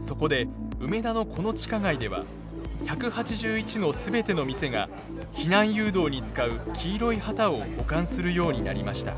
そこで梅田のこの地下街では１８１の全ての店が避難誘導に使う黄色い旗を保管するようになりました。